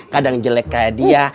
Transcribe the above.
kadang jelek kayak dia